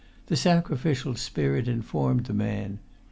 The sacrificial spirit[Pg 47] informed the man.